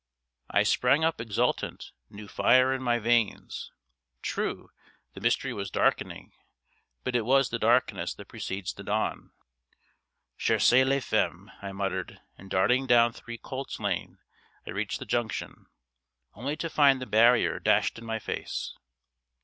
I sprang up exultant, new fire in my veins. True, the mystery was darkening, but it was the darkness that precedes the dawn. "Cherchez la femme!" I muttered, and darting down Three Colts Lane I reached the Junction, only to find the barrier dashed in my face.